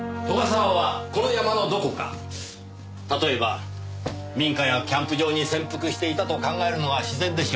沢はこの山のどこか例えば民家やキャンプ場に潜伏していたと考えるのが自然でしょう。